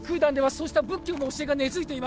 そうした仏教の教えが根付いています